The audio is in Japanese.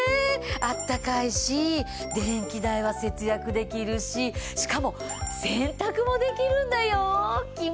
あったかいし電気代は節約できるししかも洗濯もできるんだよ！